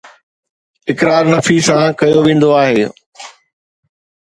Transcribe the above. اقرار نفي سان ڪيو ويندو آهي